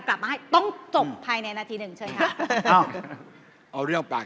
ประเด็นของฉันอยู่ที่นี้ว่า